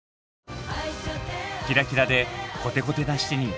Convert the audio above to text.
キラキラでコテコテな７人。